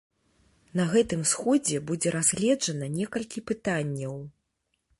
На гэтым сходзе будзе разгледжана некалькі пытанняў.